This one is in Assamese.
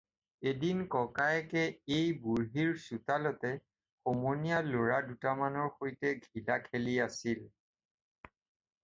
এদিন ককায়েকে এই বুঢ়ীৰ চোতালতে সমনীয়া ল'ৰা দুটামানৰ সৈতে ঘিলা খেলি আছিল।